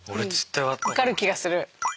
分かる気がする。